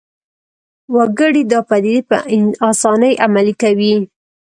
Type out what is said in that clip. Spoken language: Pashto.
وګړي دا پدیدې په اسانۍ عملي کوي